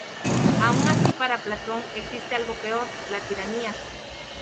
Aun así para Platón existe algo peor: la tiranía.